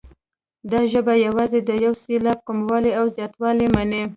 دا ژبه یوازې د یو سېلاب کموالی او زیاتوالی مني.